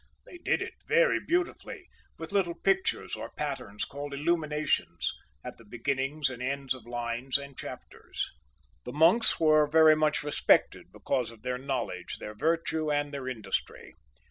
They did it very beautifully, with little pictures or patterns, called illuminations, at the beginnings and ends of lines and chapters. The monks were very much respected because of their knowledge, their virtue, and theb industry.